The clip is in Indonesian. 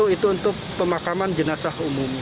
satu itu untuk pemakaman jenazah